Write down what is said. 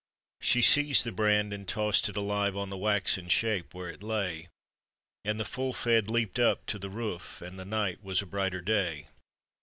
She seized the brand, and tossed it alive On the waxen shape where it lay, And the full fed leaped up to. the roof, And the night was a brighter day.